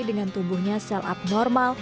dengan tubuhnya sel abnormal